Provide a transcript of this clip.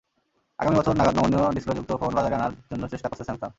আগামী বছর নাগাদ নমনীয় ডিসপ্লেযুক্ত ফোন বাজারে আনার জন্য চেষ্টা করছে স্যামসাং।